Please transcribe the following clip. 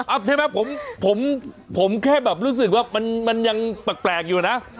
อ่ะเท่าไหร่ผมแค่รู้สึกว่ามันยังแปลกอยู่นะ